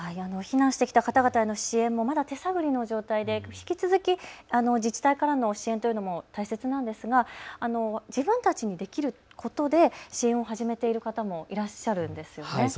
避難してきた方々への支援もまだ手探りの状態で引き続き自治体からの支援というのも大切なんですが自分たちにできることで支援を始めている方もいらっしゃるんですよね。